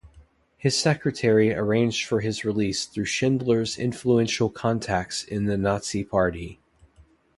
His secretary arranged for his release through Schindler's influential contacts in the Nazi Party.